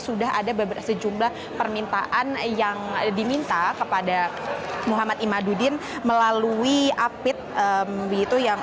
sudah ada sejumlah permintaan yang diminta kepada muhammad imaduddin